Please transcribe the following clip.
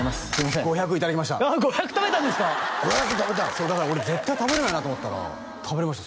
そうだから俺絶対食べれないなと思ったら食べれました